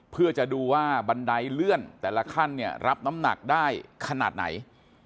เพื่อจะดูว่าบันไดเลื่อนแต่ละขั้นเนี่ยรับน้ำหนักได้ขนาดไหน